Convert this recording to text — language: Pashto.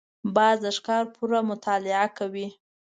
باز د ښکار پوره مطالعه کوي